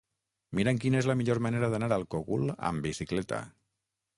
Mira'm quina és la millor manera d'anar al Cogul amb bicicleta.